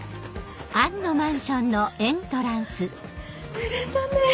ぬれたね。